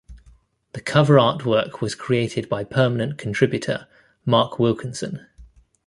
The cover artwork was created by permanent contributor Mark Wilkinson.